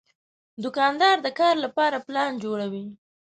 دوکاندار د کار لپاره پلان جوړوي.